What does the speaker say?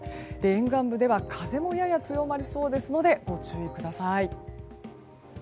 沿岸部では風もやや強まりそうですのでご注意ください。